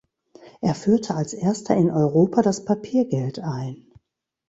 Er führte als erster in Europa das Papiergeld ein.